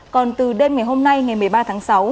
còn từ đêm ngày hôm nay ngày một mươi ba tháng sáu